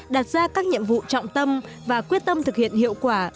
đặt ra các nhiệm vụ trọng tâm và quyết tâm thực hiện hiệu quả